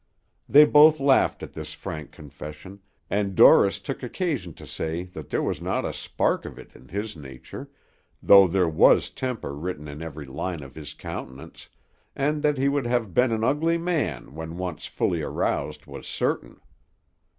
They both laughed at this frank confession, and Dorris took occasion to say that there was not a spark of it in his nature, though there was temper written in every line of his countenance, and that he would have been an ugly man when once fully aroused was certain.